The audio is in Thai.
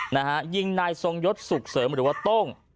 นะฮะยิงนายทรงยศสุขเสริมหรือว่าโต้ง